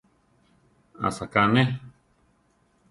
Asaká neʼé.